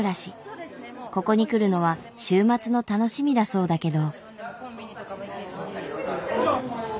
ここに来るのは週末の楽しみだそうだけど。